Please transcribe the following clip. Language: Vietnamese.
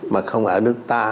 mà không ở nước ta